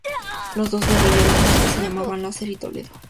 Los dos guerrilleros muertos se llamaban Laser y Toledo.